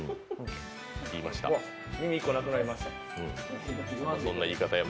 耳一個なくなりました。